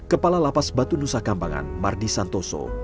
kepala lapas batu nusa kambangan mardi santoso